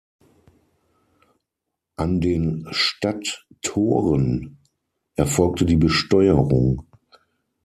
An den Stadttoren erfolgte die Besteuerung.